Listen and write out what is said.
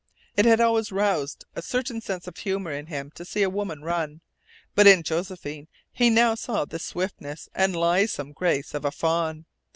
It had always roused a certain sense of humour in him to see a woman run. But in Josephine he saw now the swiftness and lithesome grace of a fawn.